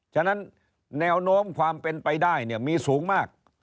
ฉะนั้นแนวโน้มความเป็นไปได้เนี่ยมีสูงมาก